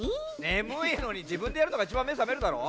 ねむいのにじぶんでやるのがいちばんめさめるだろ。